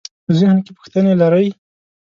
په ذهن کې پوښتنې لرئ؟